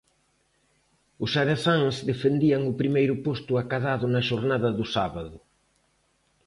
Os aresáns defendían o primeiro posto acadado na xornada do sábado.